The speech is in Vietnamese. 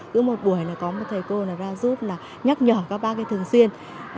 cứ một buổi là có một thầy cô là ra giúp là nhắc nhở các bác ấy thường xuyên